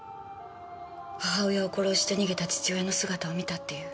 母親を殺して逃げた父親の姿を見たっていう。